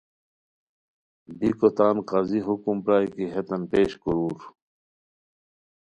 بیکو تان، قاضی حکم پرائے کی ہیتان پیش کورور